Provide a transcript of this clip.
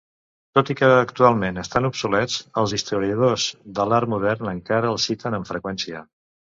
Tot i que actualment estan obsolets, els historiadors de l'art modern encara els citen amb freqüència.